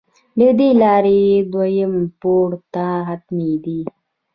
له دې لارې دویم پوړ ته ختمېدې.